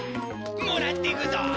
もらってくぞ。